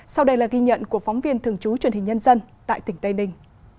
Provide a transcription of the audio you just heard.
sau đây là ghi nhận của phóng viên thường trú truyền hình nhân dân tại tỉnh tây ninh